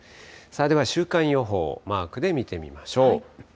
では週間予報、マークで見てみましょう。